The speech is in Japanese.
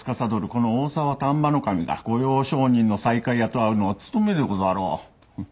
この大沢丹波守が御用商人の西海屋と会うのは務めでござろう。